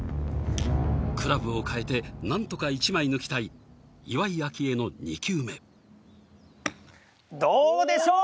クラブを変えてなんとか１枚抜きたい岩井明愛の２球目どうでしょう？